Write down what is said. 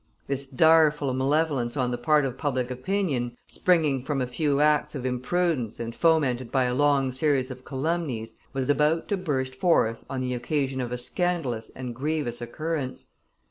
This direful malevolence on the part of public opinion, springing from a few acts of imprudence and fomented by a long series of calumnies, was about to burst forth on the occasion of a scandalous and grievous occurrence.